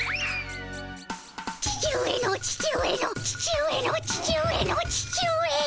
父上の父上の父上の父上の父上。